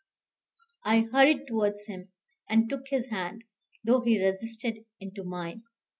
I hurried towards him, and took his hand, though he resisted, into mine.